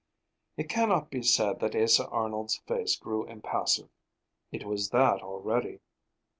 It cannot be said that Asa Arnold's face grew impassive; it was that already.